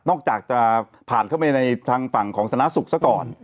จากจะผ่านเข้าไปในทางฝั่งของชนะสุขซะก่อน